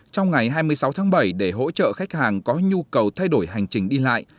trong ngày hai mươi sáu tháng bảy để hỗ trợ khách hàng có nhu cầu thay đổi hành trình đi lại